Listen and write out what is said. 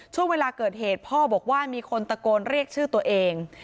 ช่วงเวลาเกิดเหตุพ่อบอกว่ามีคนตะโกนเรียกชื่อตัวเอง